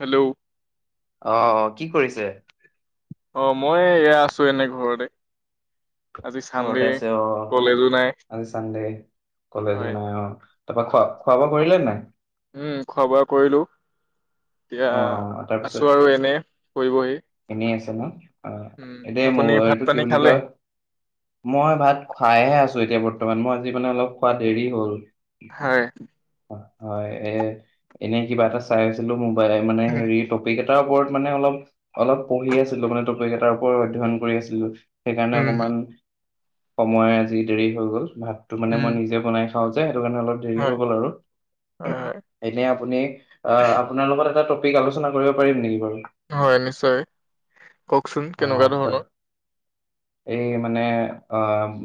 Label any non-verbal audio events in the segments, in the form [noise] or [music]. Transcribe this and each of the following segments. Hello অ'। কি কৰিছে? অ', মই এয়া আছোঁ এনে ঘৰতে। আজি চানডে ঘৰতে আছে অ', কলেজো নাই আজি চানডে, কলেজো হয় নাই অ', তাৰপা খোৱা-খোৱা বোৱা কৰিলে নাই? তিয়া অ তাৰপিছত আছোঁ আৰু এনে, শুই‌, বহি। [inaudible] অ', এতিয়া মোৰ এইটো কি পানী বুলি খালে কয়, মই ভাত খাইহে আছোঁ এতিয়া বত- মই আজি মানে অলপ খোৱা দেৰি হ'ল। হয়। হয়, এ, এনেই কিবা এটা চাই আছিলোঁ মোক এই মানে উম হেৰি টপিক এট তাৰ ওপৰত মানে অলপ, অলপ পঢ়ি আছিলোঁ, মানে টপিক এটাৰ ওপৰত অধ্যয়ন কৰি আছিলোঁ। সেইকাৰণে উম অকমান সময় আজি দেৰি হৈ গ'ল। ভাতটো মানে উম মই নিজে বনাই অ' যে টো কাৰণে অলপ দেৰি হয় হৈ গ'ল আৰু, হয় হয় এতিয়া আপুনি আ আপোনাৰ লগত টা টপিক আলোচনা কৰিব পাৰিম নেকি বাৰু? হয় নিশ্চয়, কওকচোন অ কেনেকুৱা হয়। ধৰণৰ? এই মানে, অ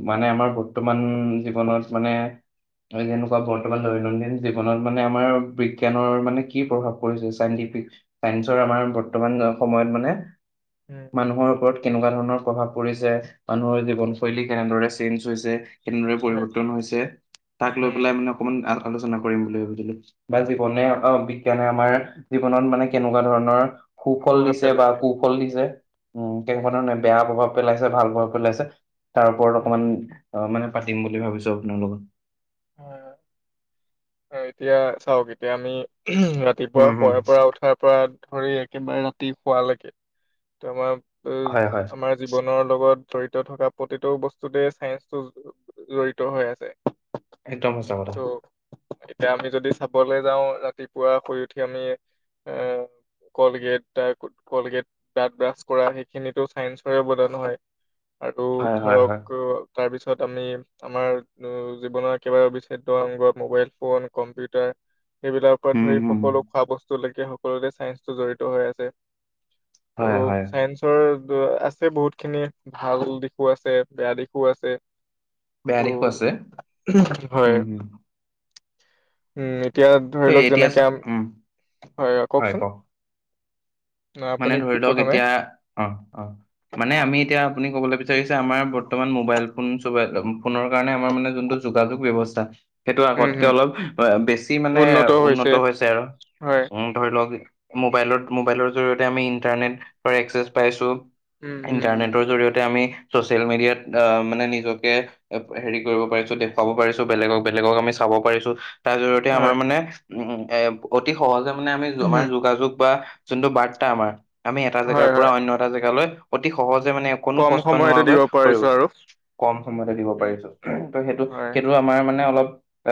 মানে আমাৰ বৰ্তমান জীৱনত মানে, যেনেকুৱা বৰ্তমান দৈনন্দিন জীৱনত মানে আমাৰ বিজ্ঞানৰ মানে কি প্ৰভাৱ পৰিছে? চায়েন্তিফ, চাইন্সৰ আমাৰ বৰ্তমান সময়ত মানে উম মানুহৰ ওপৰত কেনেকুৱা ধৰণৰ প্ৰভাৱ পৰিছে? মানুহৰ জীৱনশৈলী কেনেদৰে চেঞ্জ হৈছে? কেনেদৰে হয় পৰিৱৰ্তন হৈছে? তাক লৈ উম পেলাই মানে অকমান আৰ আলোচনা কৰিম বুলি সুধিলো। বা জীৱনে অ বিজ্ঞানে আমাৰ জীৱনত মানে কেনেকুৱা ধৰণৰ সুফল প্ৰভাৱ দিছে বা পেলাইছে কুফল দিছে, উম কেনেকুৱা ধৰণে বেয়া প্ৰভাৱ পেলাইছে ভাল [unintelligible] পেলাইছে তাৰ ওপৰত উম অকণমান।। অ মানে পাতিম বুলি ভাবিছোঁ আপোনাৰ লগত। হয় হয়। অ এতিয়া চাওঁক এতিয়া আমি।। ৰাতিপুৱা হুম হুম শুৱাৰ পৰা উঠাৰ পৰা।। ধৰি একেবাৰে ৰাতিপুৱালৈকে তোমাৰ।। হয় হয় উম আমাৰ জীৱনৰ লগত।। জড়িত থকা প্ৰতিটো বস্তুতেই চাইন্সটো জড়িত হৈ আছে। একদম সঁচা কথা। ত' এতিয়া আমি যদি চাবলৈ যাওঁ। ৰাতিপুৱা শুই উঠি আমি এ কলগেট টাইপ কলগেট দাতঁ ব্ৰাছ কৰা। সেইখিনিতো চাইন্সৰে অবদান হয়। আৰু হয় হয় ধৰক হয় অ।। তাৰপিছত আমি আমাৰ জীৱনৰ একেবাৰে অবিচ্ছেদ্য অংগ মোবাইল ফোন, কম্পিউটাৰ। সেইবিলাকৰ পৰা উম ধৰি হুম সকলো খোৱা বস্তু গতিক সকলোতে চাইন্সটো জড়িত হৈ আছে। হয় হয় ত' চায়েন্সৰ ত' আছে বহুত খিনি ভাল দিশো আছে, বেয়া দিশো আছে। বেয়া ত' দিশো আছে, হয় হুম। উম [unintelligible] এতিয়া ধৰি ত লওঁক এতিয়া চা যেনেকে আমি উম হয় কওঁকচোন? মানে ধৰি লওঁক এতিয়া অ' অ' মানে আমি এতিয়া আপুনি ক'বলৈ বিচা বিচাৰিছে আমাৰ বৰ্তমান মোবাইল ফোন চবে একদম। ফোনৰ কাৰণে আমাৰ মানে যোনটো যোগাযোগ ব্যৱস্থা সেইটো উম আগতকে হম অলপ অ' বেছি মানে উন্নত হৈছে আৰু হয় উ ধৰি ল'ব পাৰি। মোবাইলত মোবাইলৰ জৰিয়তে আমি ইন্টাৰনেটৰ এক্সেছ পাইছোঁ। উম হম হম ইণ্টাৰনেটৰ জৰিয়তে আমি চচিয়েল মিডিয়াত আ মানে নিজকে হেৰি কৰিব পাৰিছো, দেখুৱাব পাৰিছো বেলেগক- বেলেগক আমি চাব পাৰিছো। তাৰ জৰিয়তে হয় আমাৰ মানে উম এ অতি সহজে মানে আমি আমাৰ উম যোগাযোগ বা জোনটো বাৰ্তা আমাৰ আমি এটা জেগাৰ হয় পৰা হয় অন্য এটা জেগালৈ অতি সহজ যে মানে কোনো কম কষ্ট সময়তে নোহাৱাকৈ দিব কৰিব পাৰিছো আৰু কম সময়তে দিব উম পাৰিছো, ত সেইটো হয় কিন্তু আমাৰ মানে অলপ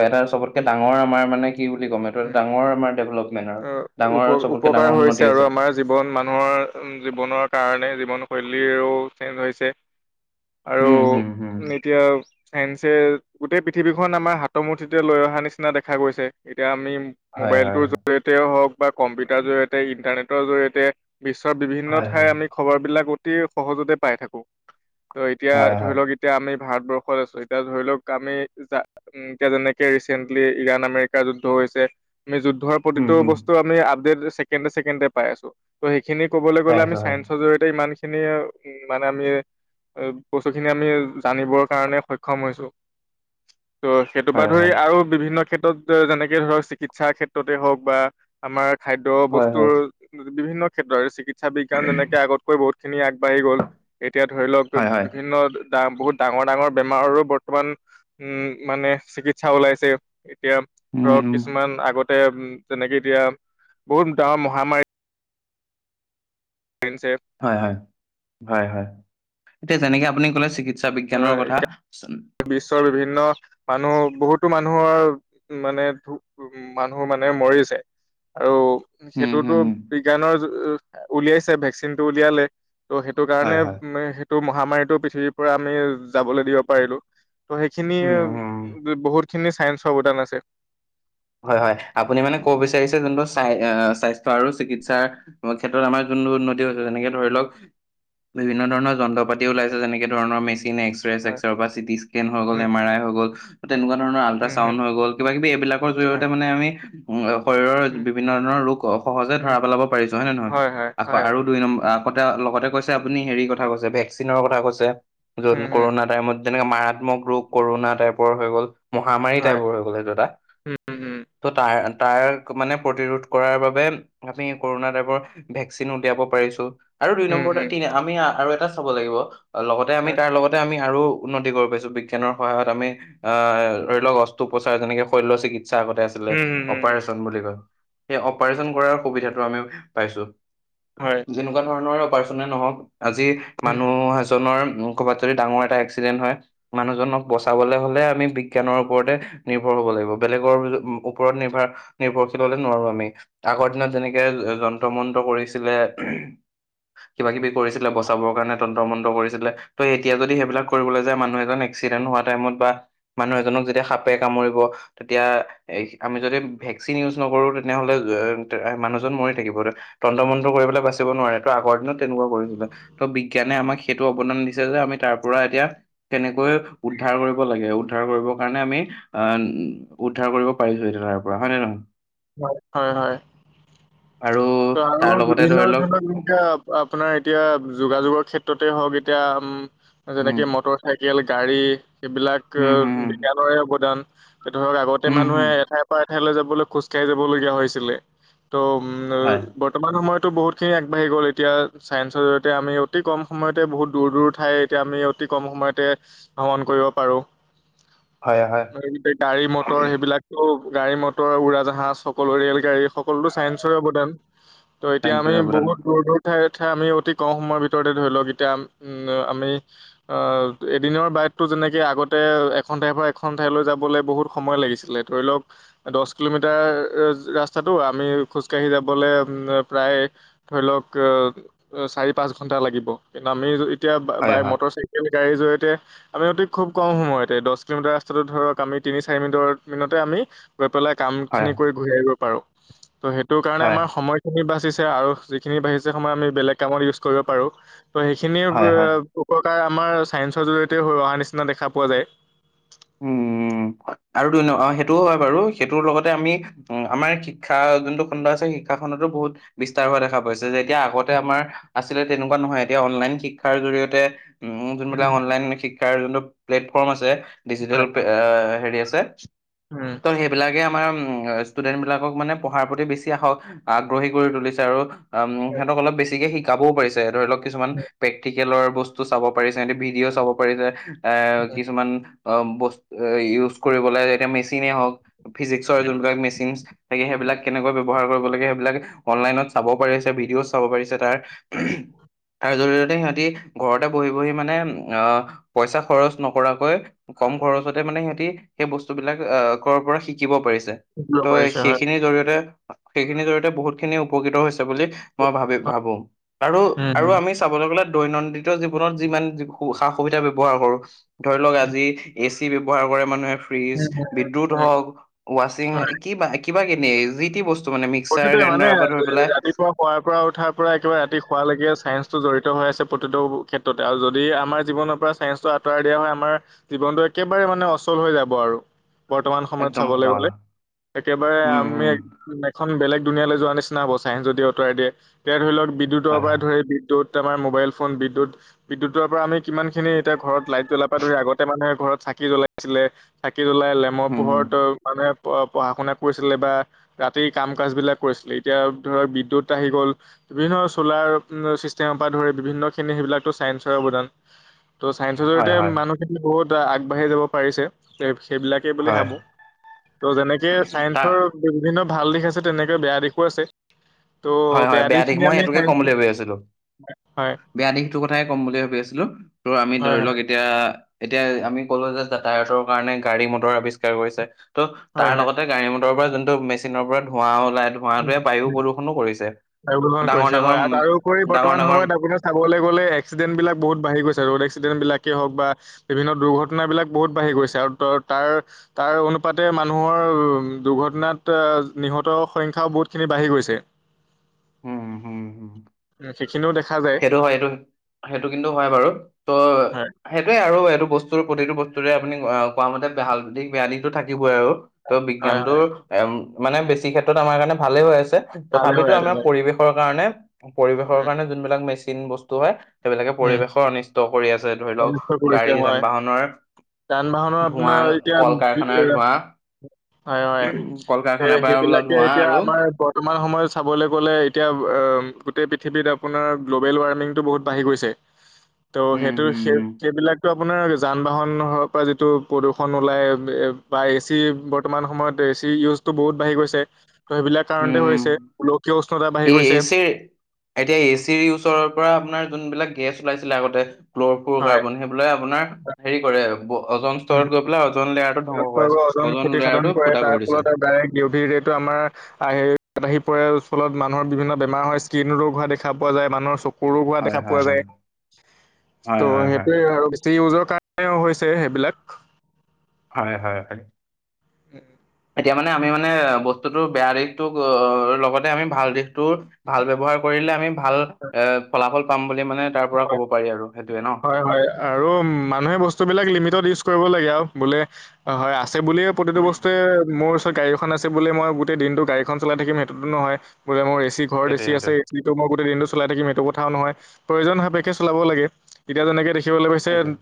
এটা চবতকে ডাঙৰ আমাৰ মানে কি বুলি ক'ম এইটো উম ডাঙৰ আমাৰ ডেভলপমেণ্ট আৰু, অ, ডাঙৰ উপ আৰু চবতকে উপকাৰ ডাঙৰ উণ্ণতি হৈছে আৰু আমাৰ জীৱন মানুহৰ জীৱনৰ কাৰণে জীৱন শৈলীৰো চেঞ্জ হৈছে। উম হম- হম। চাইঞ্চ এ গোটেই পৃথিৱীখন আমাৰ হাতৰ মুূঠিতে লৈ অহা নিচিনা দেখা গৈছে। [unintelligible] আমি হয়, হয়, মোবাইলটোৰ হয়। জৰিয়তেও হওক বা কম্পিউটাৰ জৰিয়তে ইণ্টাৰনেট জৰিয়তে বিশ্বৰ বিভিন্ন হয়, ঠাইৰ হয়। আমি খবৰবিলাক অতি সহজতে পাই থাকো। ত' এতিয়া হয়, ধৰি হয়। লওক এতিয়া আমি ভাৰতবৰ্ষত আছো এতিয়া ধৰি লওক আমি উ এতিয়া যেনেকে ৰিচেণ্টলি ইৰাণ আমেৰি কা যুদ্ধ হৈছে আমি যুদ্ধৰ উম, প্ৰতিটো উম, বস্তু আমি আপডেট চেকেণ্ড এ চেকেণ্ড এ পাই আছো, ত' সেই সেইখিনি ক'বলৈ পাই গ'লে আমি আছোঁ হয়। চায়ঞ্চৰ জৰিয়তে ইমান খিনি উ মানে আমি বস্তু খিনি আমি জানিবৰ কাৰণে সক্ষম হৈছো। ত' সেইটো পৰা হয়, ধৰি হয়, আৰু বিভিন্ন ক্ষেত যেনেকে ধৰক চিকিৎসাৰ ক্ষেত্ৰতে হওক বা আমাৰ খাদ্য হয়, হয়, বস্তুৰ বিভিন্ন ক্ষেত্ৰৰে চিকিৎ চা বিজ্ঞান এনেকৈ আগতকৈ বহুত খিনি আগবাঢ়ি গ'ল। এতিয়া ধৰি লওক হয়, হয়, বিভিন্ন ডা বহুত ডাঙৰ, ডাঙৰ বেমাৰৰো বৰ্তমান উম, মানে চিকিৎসা ওলাইছে এতিয়া ধৰক উম, কিছুমান আগত যে যেনেকে এতিয়া বহুত ডাঙৰ মহামাৰী। আহিছে। হয়-হয়-হয়-হয়। এতিয়া যেনেকে আপুনি ক'লে চিকিত চিকিৎসা বিজ্ঞানৰ অ' কথা বিশ্বৰ বিভিন্ন মানুহ বহুতো মানুহৰ মানে ধ উ মানুহ মানে মৰিছে আৰু উম, সেইটোতো হুম, হুম, বিজ্ঞানৰে যু উলিয়াইছে ভেকচিন টো উলিয়ালে। ত' সেইটো হয়, কাৰণে হয়, [unintelligible] মহামাৰীটো পৃথিৱীৰ পৰা আমি যাবলৈ দিব পাৰিলো। ত' সেইখিনি উম, উম। বহুত খিনি চাইন্সৰ অৱদান আছে। হয়-হয়, আপুনি মানে ক'ব বিচাৰিছে যোনটো স্বাস্থ্য আৰু চিকিৎসাৰ ক্ষেত্ৰত আমাৰ যোন উন্নতি হৈছে, যেনেকে ধৰি লওক বিভিন্ন ধৰণৰ যন্ত্ৰ পাতি ওলাইছে যেনেকে ধৰণৰ মেচিন ইন হয় এক্সৰে-ছেক্সৰে পা চিটী স্কেন হৈ গ'ল, উম এম আৰ আই হৈ গ'ল ত' উম তেনুকুৱা ধৰণৰ উম হম আল্টাচাউণ্ড হৈ গ'ল, কিবা-কিবি এইবিলাক হয় জৰিয়তে মানে আমি উম অ শৰীৰৰ উম বিভিন্ন ধৰণৰ ৰোগ অ' সহজে ধৰা উম পেলাব পাৰিছো হয় নে নহয়, হয় আকৌ হয় আৰু দুই নম্বৰ আ ক'তে আউ লগতে কৈছে, আপুনি হেৰি কথা কৈছে, ভেকচিনৰ কথা কৈছে। য'ত উম হম কৰোণা টাইমত যেনেকে মাৰাত্মক ৰোগ কৰোণা টাইপৰ হৈ গ'ল মহামাৰী টাইপৰ হৈ গ'ল এইটো এটা। উম-হুম। তা তাক মানে প্ৰতিৰোধ কৰাৰ বাবে আমি কৰোণা টাইপৰ ভেকচিন উলিয়াব পাৰিছো। আৰু দুই উম নম্বৰ উম এটা উম থিং আ আমি আৰু এটা ব লাগিব লগতে আমি হয় তাৰ লগতে আমি আৰু উন্নতি কৰিব পাইছো বিজ্ঞানৰ সহায়ত আমি, আহ ধৰি লওক অস্ৰোপচাৰ যেনেকে শল্য চিকিৎস কিৎসা আগতে আছিলে, উম হম হম হম অপাৰেচন বুলি কয়। সেই অপাৰেচন কৰাৰ সুবিধাটো আমি পাইছো। হয় যেনেকুৱা ধৰণৰ অপাৰচনে নহক, আজি উম মানুহ এজনৰ ক'ৰবাত যদি ডাঙৰ এটা এক্সিডেন্ট হয়, মানুহজনক বচাবলে হ'লে আমি বিজ্ঞানৰ ওপৰতে নিৰ্ভৰ হ'ব লাগিব। বেলেগৰ উম ওপৰত নিভ নিৰ্ভৰশীল হ'লে নোৱাৰো আমি। আগৰ দিনত যেনেকে যন্ত্ৰ মন্ত্ৰ কৰিছিলে, কিবা কিবি কৰিছিলে বচাবৰ কাৰণে তন্ত্ৰ মন্ত্ৰ কৰিছিলে ত এতিয়া যদি সেইবিলাক কৰিবলৈ যায় মানুহ এজন এক্সিডেন্ট হোৱা টাইমত বা মানুহ এজনক যেতিয়া সাপে কামুৰিব তেতিয়া এইস আমি যদি ভেকচিন ইউজ নকৰো তেনেহলে মানুহজন মৰি থাকিব। তন্ত্ৰমন্ত কৰিব পেলাই বাচিব নোৱাৰে ত আগৰ দিনত তেনেকুৱা কৰিছিলে, ত বিজ্ঞানে আমাক সেইটো অৱদান দিছে যে আমি তাৰ পৰা এতিয়া কেনেকৈ উদ্ধাৰ কৰিব লাগে উদ্ধাৰ কৰিব কাৰণে আমি আহ উদ্ধাৰ কৰিব পাৰিছো এতিয়া তাৰ পৰা হয় নে নহয়? হয় হয়। আৰু ত তাৰ আৰু লগতে বিভিন্ন ধৰি লওক ধৰণৰ আপোনাৰ এতিয়া যোগাযোগৰ ক্ষেত্ৰতে হওক এত এতিয়া উম উম যেনেকে মটৰ চাইকেল গাড়ী সেইবিলাক হম হম বিজ্ঞানৰে অৱদান এ ধৰক আগতে হম হম হম মানুহে এঠাইৰ পৰা থেলৈ যাবলৈ খোজ কে যাব লগীয়া হৈছিলে। ত উম হয় বৰ্তমান সময়ত ত বহুতখিনি আগবাঢ়ি গ'ল এতিয়া চায়েঞ্চৰ জৰিয়তে আমি অতি কম সময়তে বহুত দূৰ দূৰ ঠাই এতিয়া আমি অতি কম সময়তে ভ্ৰমণ কৰিব পাৰো। গোটেই গাড়ী মটৰ সেইবিলাকটো গাড়ী মটৰ উৰা জা হা চকলো ৰেল গাড়ী সকলোতো চাইেঞ্চৰে অৱদান ত এতিয়া আমি বহুত দূৰ দূৰ ঠাই ঠাই আমি অতি কম সময়ৰ ভিতৰতে ধৰি লওক অতি কম সময়ৰ ভিতৰতে ধৰিলক এতিয়া আমি আ এদিনৰ বাইটতো যেনেকে আগতে এখন ঠাইৰ পৰা এখন ঠাইলৈ যাবলৈ বহুত সময় লাগিছিলে ধৰি লওক দহ কিলোমিটাৰ আ ৰাস্তটো আমি খোজকাঢ়ি যাবলে প্ৰায় ধৰি লক চাৰি পচ ঘন্টা লাগ কিন্তু আমি এতিয়া বাই বাই মটৰ চাইকেল গাড়ীৰ জৰিয়তে আমি অতি খুব কম সময়তে দহ কিলোমিটাৰ ৰাস্তাটো ধৰক আমি তিনি চাৰি মিনিটৰ মিনিতে আমি গৈ পেলাই কাম খিনি কৰি ঘূৰি আহিব পাৰো। ত' সেইটো কাৰণে আমাৰ সময়খিনি বাচ আৰু যিখিনি বাঢ়িছে সময় আমি বেলেগ কামত ইউজ কৰিব পাৰো। ত সেইখিনি উপকাৰ আমাৰ চায়েন্ঞ্চৰ জৰিয়তে হৈ অহা নিচিনা দেখা পোৱা যায়। আৰু দুই ন সেইটোও হয় বাৰু। সেইটোৰ লগতে আমি উ আমাৰ শিক্ষা যোনটো খণ্ড আছে শিক্ষা খণ্ডতো বহুত বিস্তাৰ হোৱা দেখা পাইছে যে এতিয়া আগতে আমাৰ আছিলে তেনেকুৱা নহয় এতিয়া অনলাইন শিক্ষাৰ জৰিয়তে উম যোনবিলাক অনলাইন শিক্ষাৰ যোনটো প্লেটফৰ্ম আছে ডিজিটেল হয়, পে আ হেৰি আছে। উম। [inaudible] ত সেইবিলাকে। আমাৰ ষ্টুডেন্ট বিলাকক মানে পঢ়াৰ প্ৰতি বেছি আহ আগ্ৰহী কৰি তুলিছে আৰু। উ হয়, সিহঁতক অলপ বেছিকে শিক শিকাবও পাৰিছে ধৰি লক। কিছুমান উম, প্ৰেকি লোৰ কেলৰ বস্তু চাব পাৰিছে এতে ভিডিঅ' চাব পাৰিছে। এ উম, কিছুমান। অ' বস্তু ইউজ কৰিবলৈ এতিয়া মেছি জিকি নহওঁক ফিজিক্সৰ যুণকেটা মেচিন থাকে সেইবিলাক কেনেকৈ ব্যৱহাৰ কৰিব। সেইবিলাক অনলাইনত চাব পাৰিছে ভিডিঅ' চাব পাৰিছে তাৰ তাৰ জৰিয়তে সিহঁতি ঘৰতে বহি বহি মানে আহ পইচা খৰচ নকৰাকৈ কম খৰচতে মানে সিহতি। সেই বস্তু বিলাক কৰবাৰ পৰা শিকিব পাৰিছে। তে, শিকিব তই পাৰিছে হয়। সেইখিনিৰ জৰিয়তে। সেইখিনিৰ জৰিয়তে বহুত খিনি উপকৃত হৈছে। সেইবোলি মই ভাবি ভাবো। আৰু আৰু উম, আমি চাবলৈ গ'লে। দৈনন্দিত জীৱনত যিমান সা সুবিধা ব্যৱহাৰ কৰো। ধৰি লওক উম, আজি। এ 'চি ব্যৱহাৰ কৰে মানুহে। ফ্ৰিজ, উম, উম, বিদ্যুত উম, হওক ৱাচিং হয়। কি বাকি। কিবা কিনি যি, টি বস্তু। মানে মিক্সাৰ প্ৰতিটোৱে মানে গ্ৰাইণ্ডাৰৰ পৰা ধৰি পেলাই ৰাতিপুৱা শুৱোৱাৰ পৰা উঠাৰ পৰা একেবাৰে ৰাতি শোৱালৈকে আছে। ছাইন্সটো জড়িত হৈ আছে। প্ৰতিটো ক্ষেত্ৰতে আৰু যদি আমাৰ জীৱনৰ পৰা চাইন্সটো আঁতৰাই দিয়া হয় আমাৰ জীৱনটো একেবাৰে মানে অচল হৈ যাব আৰু। বৰ্তমান সময়ত একদম চাব লৈ সঁচা গলে,,,, কথা একেবাৰে উম আমি। উম বেলেগ দুনীয়ালৈ যোৱা নিচিনা হব। চাইন্স যদি আতৰাই দিয়ে। তেতিয়া ধৰি লওক। বিদ্যুতৰ হয় পৰা হয় ধৰি বিদ্যুৎ। এতিয়া আমাৰ মোবাইল ফোন বিদ্যুত- বিদ্যুতৰ পৰা আমি কিমান খিনি এতিয়া ঘৰত লাইট জ্বলাব ধৰি আগতে মানুে ঘৰত চাকি জ্বলাইছিলে। চাকি জ্বলাই লেমৰ উম পোহৰত মানে। পঢ়া- শুনা কৰিছিলে বা ৰাতি। গোটেই কাম কাজ বিলাক কৰিছিলে। এতিয়া ধৰ বিদ্যুতআহি গ'ল। বিভিন্ন চলাৰ চিষ্টেমৰ পৰা ধৰি বিভিন্ন খিনি সেইবিলাকো চাইন্সৰ অৱদান। ত' চাইন্স ৰ হয় জৰিয়তে হয় মানুহখিনি বহুত। ত 'আগবাঢ়ি যাব পাৰিছে। সেইবিলাকেই বুলি হয় ভাবো। ত' যেনেকে তাৰ চাইন্সৰ বিভিন্ন। ভাল দিশ আছে তেনেকে বেয়া দিশো আছে। ত' হয় হয় বেয়া দিশ দিশখিনি মই আমি এইটোকে চায়েন্স ক'ম বুলি ভাবি আছিলো, হয় বেয়া দিশটোৰ কথাই ক'ম বুলি ভাবি আছিলো। ত' আমি হয় ধৰি লওক হয় এতিয়া। এতিয়া আমি ক'লো যে যাতায়াতৰ কাৰণে গাড়ী, মটৰ আৱিষ্কাৰ কৰিছে। ত' তাৰ হয় হয় লগতে গাড়ী, মটৰ পৰা যোন ধৰক মেচিনৰ পৰা ধোৱাও ওলাই, উম, ধুৱাটোৱেই বায়ু উম, প্ৰদূষনু কৰিছে। [unintelligible] ডাঙৰ ডাঙৰ হয় আৰু উম, তাৰোপৰি ডাঙৰ বৰ্তমান ডাঙৰ সময়ত আপোনাৰ চাবলৈ গ'লে এক্সিডেণ্ট বিলাক বহুত বাঢ়ি গৈছে ৰোড এক্সিডেণ্ট। বিলাকেই হওক বা বিভিন্ন দুৰ্ঘটনাবিলাক বহুত বাঢ়ি গৈছে। আৰু ত' তাৰ, তাৰ অনুপাতে মানুহৰ উ দুৰ্ঘটনাত নি'হত। সংখ্যাও বহুতখিনি বাঢ়ি গৈছে। উম হম অহ' ঠিক সেইটো হয়, এইটো সেইটো কিন্তু হয় বাৰু। ত' হয় সেইটোৱে আৰু এইটো বস্তুৰ প্ৰতিটো বস বস্তুৰে আপুনি তোমাৰ মতে ভাল দিশ, বেয়া দিশ। টো থাকি আৰু ত' হয় হয় বিজ্ঞানটোত এ মানে বেছি ক্ষেত্ৰত আমাৰ কাৰণে ভালেই হৈ আছে। ছে ভালে হৈ তথাপিতো আছে আমাৰ হয় পৰিৱেশৰ কাৰণে। পৰিৱেশৰ উম, কাৰণে যদ মেচিন বস্তু হয়। সেইবিলাকে উম, পৰিবেশো অনিষ্ট কৰি আছে ধৰি লওঁক অনিষ্ট কৰিছে গাড়ী হয় যান বাহনৰ যান বাহনৰ ধোৱা, আপোনাৰ কল কাৰখানাৰ ধোৱা হয়-হয় এ সেইবিলাকে ধোঁৱা এতিয়া আৰু আমাৰ বৰ্তমান সময় চাবলৈ গ'লে এতিয়া [unintelligible] গোটেই পৃথৱীত আপোনাৰ গ্লবেল ৱাৰ্মিং টো বহুত বাঢ়ি গৈছ যে ত' উম, সেইটো উম, [unintelligible] উম। সেইবিলাক টো আপোনাৰ যান বাহনহৰ পৰা যিটো প্ৰদূষণ ওলাই বা এচি বৰ্তমান সময়ত এচি ইউজটো বহুত বাঢ়ি গৈছে ত' সেইবিলাক কাৰণতে হৈছে গোলকীয় উচ এ -এচিৰ এতিয়া এচিৰ ওচৰৰ পৰা আপোনাৰ যোনবিলাক গেছ ওলাইছিলে আগতে ফ্ল'ৰপুৰ হয়। কাৰ্বন সেইবিলাকে আপোনাৰ হেৰি কৰে আৰু। উম, [unintelligible] কৰে আৰু অজন ক্ষতিসাধন লেয়াৰটো কৰে ফুটা তাৰ কৰি দিছে। ফলত আৰু ডাইৰেক্ট ইও ভি ৰেটো আমাৰ আহে [unintelligible] আহি পৰে আৰু ফলত মানুহৰ বিভিন্ন বেমাৰ হয় স্কিনো ৰোগ হোৱা দেখা পোৱা যায় মানুহৰ চক সৰু হোৱা হয় দেখা পোৱা হয় যায়, হয় ত' হয় হয় হয় সেইটোৱে আৰু বেছি ইউজৰ কাৰণেও হৈছে সে সেইবিলাক [inaudible] হয়, হয়, হয়। উম। এতিয়া মানে আমি মানে বস্তুতটোৰ বেয়া দিশটোক লগতে আমি ভাল দিশটো ভাল ব্যৱহাৰ কৰিলে আমি ভাল এ ফলাফল পাম বুলি মানে তাৰ পৰা হয়, ক'ব পাৰি আৰু সেইটোয়ে ন। হয়, হয় আৰু মানুহে বস্তুবিলাক লিমিটত ইউজ কৰিব লাগে। আৰু বোলে অ, হয় আছে বুলিয়ে প্ৰতিটো বস্তুৱে মোৰ ওচৰত গাড়ীখন আছে বুলিয়েই মই গোটেই দিনতো গাড়ীখন চলাই থাকিম সেইটোতো নহয়। বোলে মোৰ এচি ঘৰত সেইটোৱে এচি আছে সেইটোৱে মই গোটেই দিনটো চলাই থাকিম এইটো কথাওঁ নহয়। উ [inaudible] প্ৰয়োজন সাপেক্ষে চলাব লাগে। এতিয়া যেনেকে দে দেখিবলৈ পাইছে অ' সেইটোৱে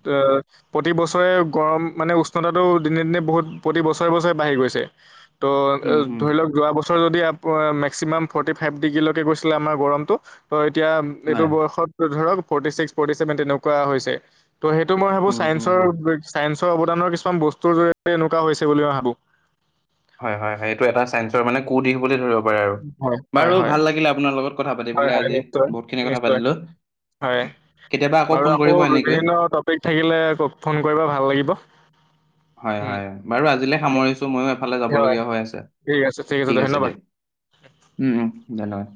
প্ৰতি বছৰে গৰম মানে উষ্ণতাটো দিনে দিনে বহুত প্ৰতি বছৰে বছৰে বাঢ়ি গৈছে। ত এ উম হুম ধৰি লওঁক যোৱা বছৰ চৰ যদি আপ অ', মেক্সিমাম ফ'ৰ্টি ফাইভ ডিগ্ৰীলৈকে গৈছিলে আমাৰ গৰমটো ত' এতিয়া এইটো হয় বয়সত ধৰক ফৰ্টি ছিক্স, ফৰ্টি ছেভেন তেনেকুৱা হৈছে। ত' সেইটো মই ভাবোঁ উম হুম হুম চাইন্সৰ-চাইন চ' অৱদানৰ কিছুমান বস্তুৰ জৰিয়তে এনেকুৱা হৈছে বুলি মই ভাবোঁ। হয়, হয়, হয় এইটো এটা চাইন্সৰ মানে কু দিশ বুলি ধৰিব পাৰে আৰু হয়, হয়, বাৰু হয়, ভাল লাগিলে আপোনাৰ লগত কথা পাতি হয়, পেলাই হয়, আজি নিশ্চয়, বহুতখিনি কথা নিশ্চয়, পাতিলোঁ। হয় কেতিয়াবা বাৰু ফোন আকৌ কৰিব এনেকৈ। বিভিন্ন টপিক থাকিলে ফোন কৰিব ভাল লাগিব। হয়, উম, হয়। বাৰু আজিলে দিয়া। সামৰিছোঁ ময়ো এফালে হয় যাবলগীয়া হৈ আছে। ঠিক আছে ঠিক আছে ধন্যবাদ দিয়ক। উম। ধন্যবাদ।